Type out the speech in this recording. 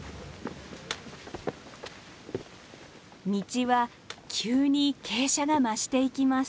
道は急に傾斜が増していきます。